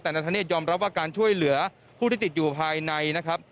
แต่นาธเนธยอมรับว่าการช่วยเหลือผู้ที่ติดอยู่ภายในนะครับ